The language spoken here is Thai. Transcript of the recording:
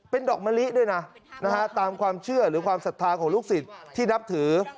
เป็นดอกมะลิด้วยนะตามความเชื่อหรือความศรัทธาของลูกศิษย์ที่นับถือ